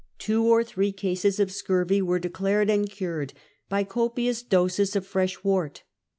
Two or three cases of scurvy were declared and cured by copious doses of fresh wort.